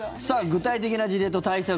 具体的な事例と対策